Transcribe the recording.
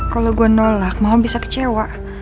kalo gua nolak mama bisa kecewa